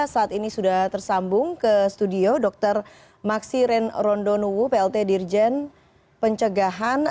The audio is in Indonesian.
saat ini sudah tersambung ke studio dr maksi ren rondonuwu plt dirjen pencegahan